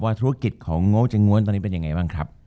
ธุรกิจของโง่จะง้วนตอนนี้เป็นยังไงบ้างครับ